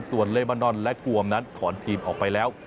ส่วนเลบานอนและกวมนั้นถอนทีมออกไปแล้ว